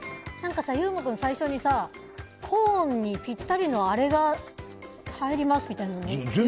優馬君、最初にコーンにぴったりのあれが入りますみたいな。